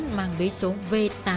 mang bế số v tám trăm một mươi tám